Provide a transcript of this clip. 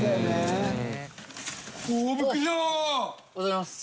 おはようございます。